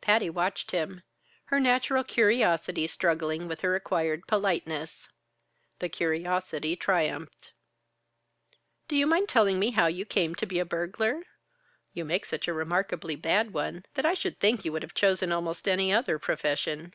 Patty watched him, her natural curiosity struggling with her acquired politeness. The curiosity triumphed. "Do you mind telling me how you came to be a burglar? You make such a remarkably bad one, that I should think you would have chosen almost any other profession."